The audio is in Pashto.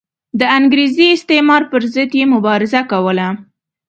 د انګریزي استعمار پر ضد یې مبارزه کوله.